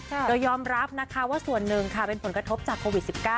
เรายอมรับว่าส่วนหนึ่งเป็นผลกระทบจากโววิด๑๙